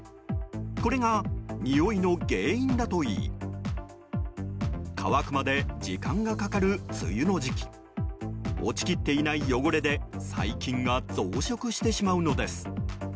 これがにおいの原因だといい乾くまで時間がかかる梅雨の時期落ち切っていない汚れで細菌が増殖してしまうのです。